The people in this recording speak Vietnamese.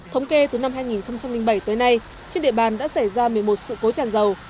thống kê từ năm hai nghìn bảy tới nay trên địa bàn đã xảy ra một mươi một sự cố tràn dầu